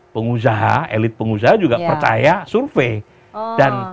pengusaha elit pengusaha juga percaya survei dan